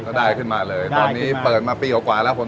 ก็ได้ขึ้นมาเลยได้ขึ้นมาตอนนี้เปิดมาปีกว่าแล้วผม